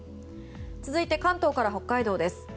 続いて関東から北海道です。